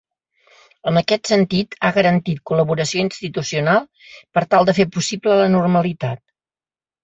En aquest sentit ha garantit col·laboració institucional per tal de fer possible la normalitat.